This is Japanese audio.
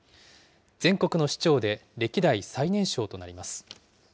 全国の市長で歴代最年少となります。